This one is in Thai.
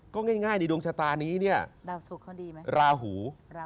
ก็ง่ายในดวงชะตานี้เนี่ยราหู